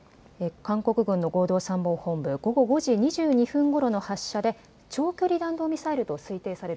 韓国軍の合同参謀本部、午後５時２２分ごろの発射で長距離弾道ミサイルと推定される